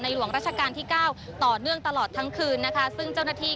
ในหลวงราชกาลที่๙ต่อเนื่องตลอดทั้งคืน